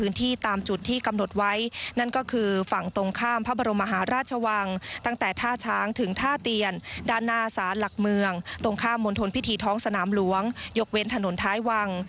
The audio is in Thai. นาศาสน์หลักเมืองตรงข้ามมนตรพิธีท้องสนามหลวงยกเว้นถนนท้ายวัง